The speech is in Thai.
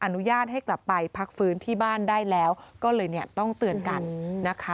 อนุญาตให้กลับไปพักฟื้นที่บ้านได้แล้วก็เลยเนี่ยต้องเตือนกันนะคะ